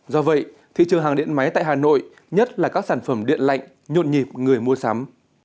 do vậy thị trường hàng điện máy tại hà nội nhất là các sản phẩm điện lạnh nhộn nhịp người mua sắm